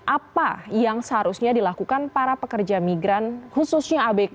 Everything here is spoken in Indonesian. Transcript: apa yang seharusnya dilakukan para pekerja migran khususnya abk